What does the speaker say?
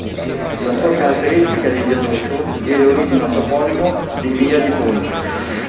La sua caratteristica di viadotto diede origine al toponimo di "via di ponte".